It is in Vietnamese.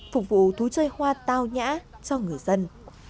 phục vụ thú chơi hoa tao nhã cho người dân